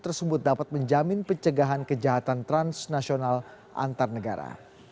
tersebut dapat menjamin pencegahan kejahatan transnasional antar negara